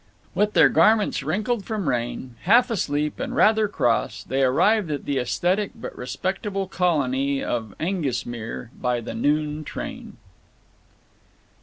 With their garments wrinkled from rain, half asleep and rather cross, they arrived at the esthetic but respectable colony of Aengusmere by the noon train.